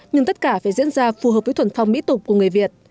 nhưng tất cả phải diễn ra phù hợp với thuần phong mỹ tục của người việt